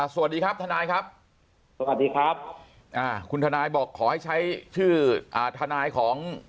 สวัสดีครับทนายครับสวัสดีครับอ่าคุณทนายบอกขอให้ใช้ชื่ออ่าทนายของ